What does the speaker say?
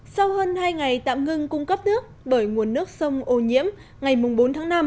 sau hơn hai ngày tạm ngưng cung cấp nước bởi nguồn nước sông ô nhiễm ngày bốn tháng năm